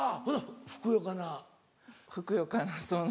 ふくよかな。